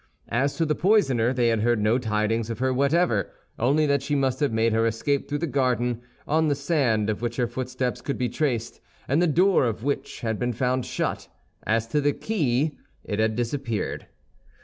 As to the poisoner, they had heard no tidings of her whatever, only that she must have made her escape through the garden, on the sand of which her footsteps could be traced, and the door of which had been found shut. As to the key, it had disappeared.